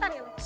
sulit gak tuh